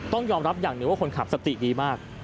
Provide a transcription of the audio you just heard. ต้องยอมรับอย่างหนึ่งว่าคนขับสติดีมาก